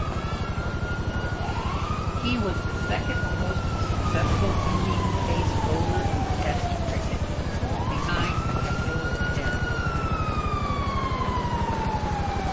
He was the second-most successful Indian pace bowler in Test cricket, behind Kapil Dev.